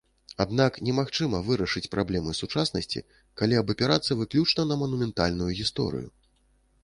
Аднак немагчыма вырашыць праблемы сучаснасці, калі абапірацца выключна на манументальную гісторыю.